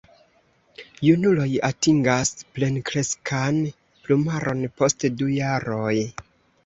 Junuloj atingas plenkreskan plumaron post du jaroj.